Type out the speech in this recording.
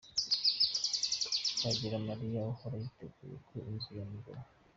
Twagiramariya ahora yiteguye ko inzu yamugwaho.